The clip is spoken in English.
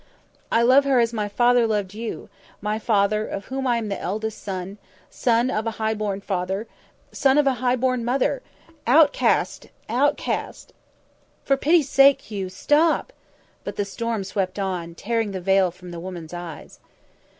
"I love her as my father loved you my father, of whom I am the eldest son son of a highborn father, son of a highborn mother outcast outcast!" "For pity's sake, Hugh, stop!" But the storm swept on, tearing the veil from the woman's eyes.